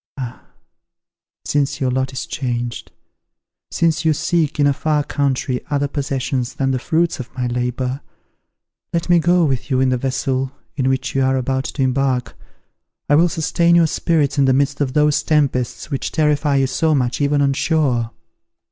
Ah! since your lot is changed, since you seek in a far country other possessions than the fruits of my labour, let me go with you in the vessel in which you are about to embark. I will sustain your spirits in the midst of those tempests which terrify you so much even on shore.